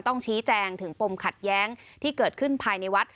ต้องชี้แจงถึงปมขัดแย้งที่เกิดขึ้นภายในวัด